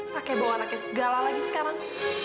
pakai bawa anaknya segala lagi sekarang